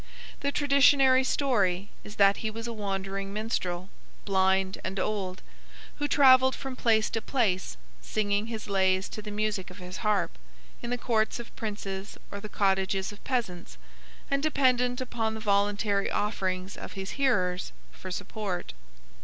The traditionary story is that he was a wandering minstrel, blind and old, who travelled from place to place singing his lays to the music of his harp, in the courts of princes or the cottages of peasants, and dependent upon the voluntary offerings of his hearers for support.